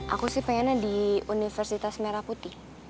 aku sih pengennya di universitas merah putih